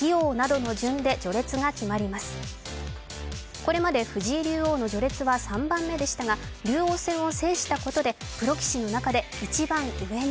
これまで、藤井竜王の序列は３番目でしたが竜王戦を制したことで、プロ棋士の中で一番上に。